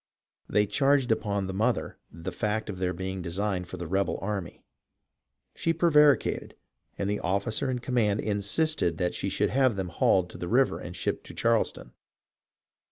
They charged upon the mother the fact of their being designed for the rebel army. She prevaricated, and the officer in command insisted that she should have them hauled to the river and shipped to Charleston.